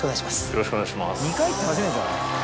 よろしくお願いします。